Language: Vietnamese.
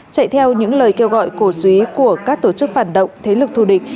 chạy theo những lời kêu gọi cổ suý của các tổ chức phản động thế lực thù địch